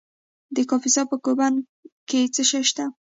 د کاپیسا په کوه بند کې څه شی شته؟